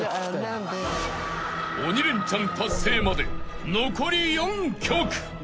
［鬼レンチャン達成まで残り４曲］